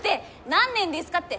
何年ですかって！